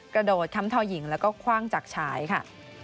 กระโดดค้ำทอหญิงแล้วก็คว่างจากชายค่ะ